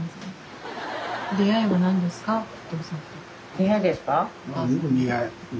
出会いですか？